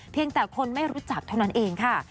แต่คนไม่รู้จักเท่านั้นเองค่ะ